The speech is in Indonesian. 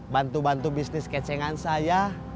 bantu bantu bisnis kecengan saya